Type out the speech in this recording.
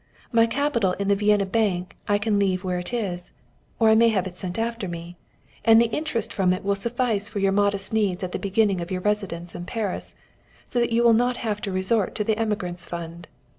My capital in the Vienna bank I can leave where it is, or I may have it sent after me, and the interest from it will suffice for your modest needs at the beginning of your residence at Paris, so that you will not have to resort to the emigrants' fund.